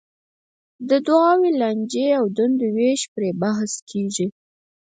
دعاوې، لانجې او دندو وېش پرې بحث کېږي.